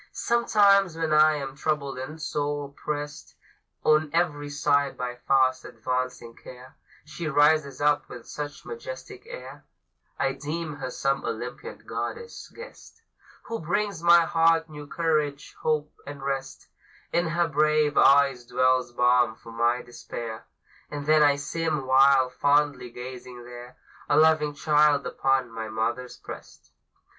Sometimes when I am troubled and sore pressed On every side by fast advancing care, She rises up with such majestic air, I deem her some Olympian goddess guest, Who brings my heart new courage, hope, and rest; In her brave eyes dwells balm for my despair, And then I seem, while fondly gazing there, A loving child upon my mother's breast.